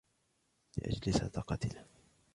لأجلِ صداقتنا